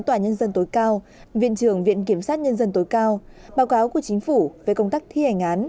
tòa nhân dân tối cao viện trường viện kiểm sát nhân dân tối cao báo cáo của chính phủ về công tác thi hành án